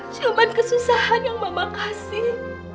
cuma kesusahan yang mama kasih